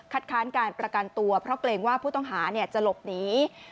ค้านการประกันตัวเพราะเกรงว่าผู้ต้องหาจะหลบหนี